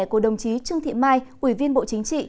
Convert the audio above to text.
của đồng chí trương thị mai ủy viên bộ chính trị